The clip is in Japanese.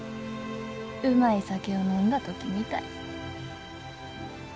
うまい酒を飲んだ時みたい。